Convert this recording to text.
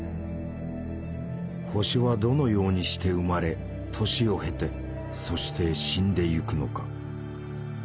星はどのようにして生まれ年を経てそして死んでゆくのか。